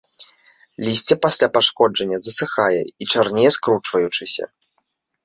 Лісце пасля пашкоджання засыхае і чарнее скручваючыся.